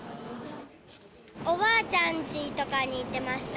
おばあちゃんちとかに行ってました。